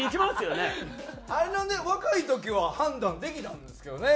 あれのね若い時は判断できたんですけどね。